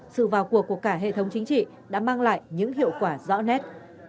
sự vào cuộc của cả hệ thống chính trị đã mang lại những hiệu quả rõ nét